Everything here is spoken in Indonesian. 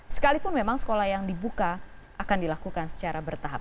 sekalipun memang sekolah yang dibuka akan dilakukan secara bertahap